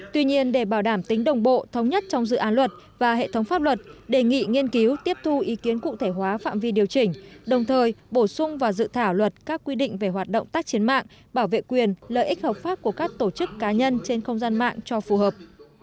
tuy nhiên để bảo đảm tính đồng bộ thống nhất trong dự án luật và hệ thống pháp luật đề nghị nghiên cứu tiếp thu ý kiến cụ thể hóa phạm vi điều chỉnh đồng thời bổ sung vào dự thảo luật các quy định về hoạt động tác chiến mạng bảo vệ quyền lợi ích hợp pháp của các tổ chức cá nhân trên không gian mạng cho phù hợp